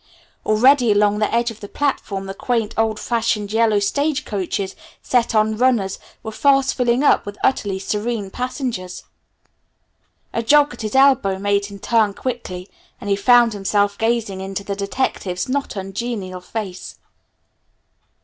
Already along the edge of the platform the quaint, old fashioned yellow stage coaches set on runners were fast filling up with utterly serene passengers. A jog at his elbow made him turn quickly, and he found himself gazing into the detective's not ungenial face.